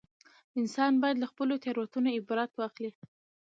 انسان باید له خپلو تېروتنو عبرت واخلي